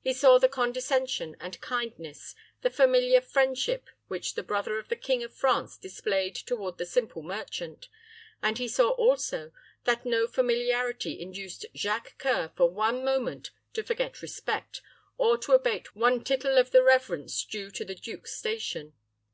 He saw the condescension and kindness, the familiar friendship which the brother of the King of France displayed toward the simple merchant; but he saw, also, that no familiarity induced Jacques C[oe]ur for one moment to forget respect, or to abate one tittle of the reverence due to the duke's station.